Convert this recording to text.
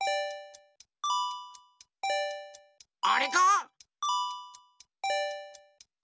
あれか？